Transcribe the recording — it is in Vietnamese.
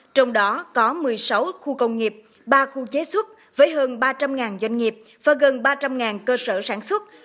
trong đó có một mươi sáu khu công nghiệp ba khu chế xuất với hơn ba trăm linh doanh nghiệp và gần ba trăm linh cơ sở sản xuất